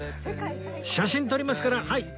写真撮りますからはい笑顔！